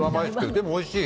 でもおいしい。